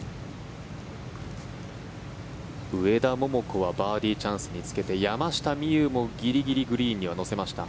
上田桃子はバーディーチャンスにつけて山下美夢有もギリギリグリーンには乗せました。